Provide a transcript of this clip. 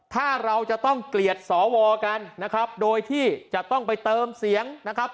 ถ้าเราจะต้องเกลียดสวกันนะครับโดยที่จะต้องไปเติมเสียงนะครับ